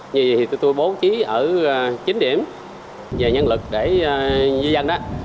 như vậy thì tôi bố trí ở chín điểm về nhân lực để di dân đó